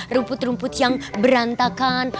rumput rumput yang berantakan